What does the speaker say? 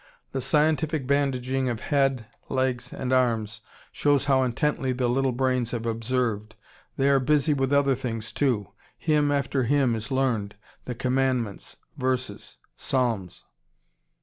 The scientific bandaging of head, legs, and arms shows how intently the little brains have observed. They are busy with other things too; hymn after hymn is learned, the commandments, verses, psalms.